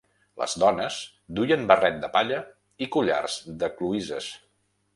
Les dones duien barret de palla i collars de cloïsses.